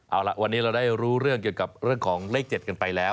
เอาล่ะวันนี้เราได้รู้เรื่องเกี่ยวกับเรื่องของเลข๗กันไปแล้ว